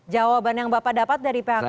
jawaban yang bapak dapat dari pihak pnm apa pak